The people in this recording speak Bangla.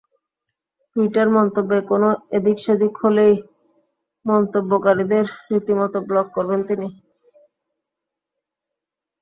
টুইটার মন্তব্যে কোনো এদিক সেদিক হলেই মন্তব্যকারীদের রীতিমতো ব্লক করবেন তিনি।